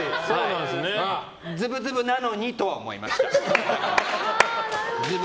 ズブズブなのにとは思いました。